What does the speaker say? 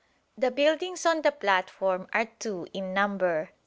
The buildings on the platform are two in number.